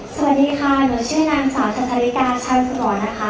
สวัสดีค่ะหนูชื่อนามสาวชาตาลิกาชาวสุกรนะคะ